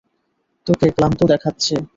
তোকে ক্লান্ত দেখাচ্ছে।